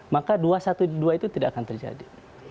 maka dua satu dua itu tidak akan terjadi